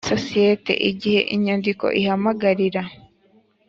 sosiyete igihe inyandiko ihamagarira